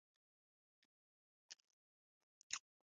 د پاکو جامو اغوستل اړین دي.